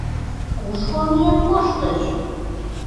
Кушко миен коштыч?